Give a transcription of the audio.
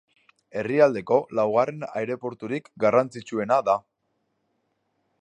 Herrialdeko laugarren aireporturik garrantzitsuena da.